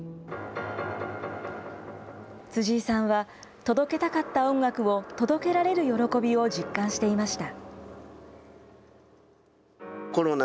辻井さんは、届けたかった音楽を届けられる喜びを実感していました。